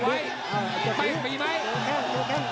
ไฟมีไหม